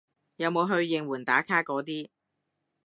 有冇去應援打卡嗰啲